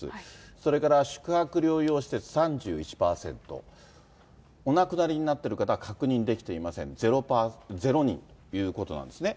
それから宿泊療養施設３１％、お亡くなりになっている方、確認できていません、０人ということなんですね。